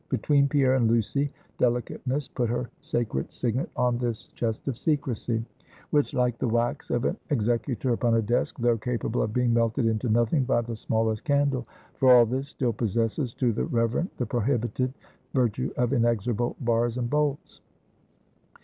Between Pierre and Lucy, delicateness put her sacred signet on this chest of secrecy; which like the wax of an executor upon a desk, though capable of being melted into nothing by the smallest candle, for all this, still possesses to the reverent the prohibitive virtue of inexorable bars and bolts.